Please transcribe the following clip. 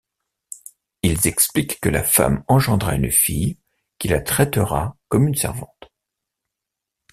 Ils expliquent que la femme engendra une fille qui la traitera comme une servante.